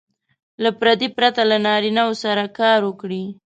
له پردې پرته له نارینه وو سره کار وکړي.